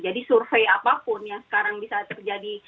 jadi survei apapun yang sekarang bisa terjadi